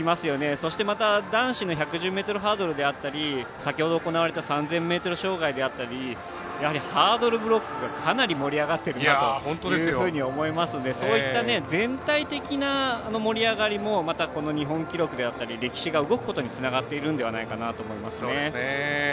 そして、男子の１１０ｍハードルであったり先ほど行われた３０００ｍ障害であったりやはりハードルブロックがかなり盛り上がってるなというふうに思いますのでそういった全体的な盛り上がりもまた、日本記録であったり歴史が動くことにつながっているんではないかなと思いますね。